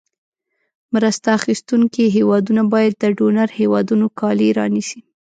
مرسته اخیستونکې هېوادونو باید د ډونر هېوادونو کالي رانیسي.